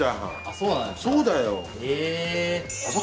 そうだよ。